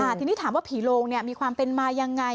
อ่าทีนี้ถามว่าผีโรงเนี้ยมีความเป็นมายังไง